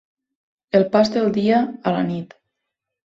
El pas del dia a la nit.